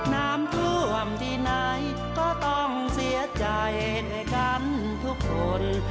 น้ำท่วมที่ไหนก็ต้องเสียใจด้วยกันทุกคน